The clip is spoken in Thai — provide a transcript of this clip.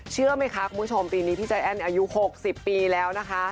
เชื่อไหมคะคุณผู้ชมปีนี้พี่ใจแอ้นอายุ๖๐ปีแล้วนะคะ